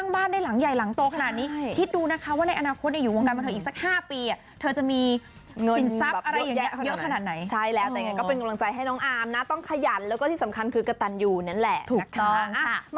ว่าในอนาคตอยู่วงการมันอีกสัก๕ปีเธอจะมีสินทรัพย์เยอะขนาดไหนใช่แล้วก็เป็นกำลังใจให้น้องอามนะต้องขยันแล้วก็ที่สำคัญคือกระตันอยู่นั่นแหละถูกต้องค่ะ